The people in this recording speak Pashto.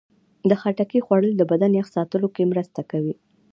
د خټکي خوړل د بدن یخ ساتلو کې مرسته کوي.